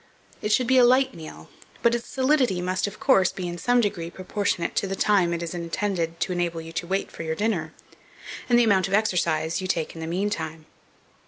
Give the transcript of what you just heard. It should be a light meal; but its solidity must, of course, be, in some degree, proportionate to the time it is intended to enable you to wait for your dinner, and the amount of exercise you take in the mean time.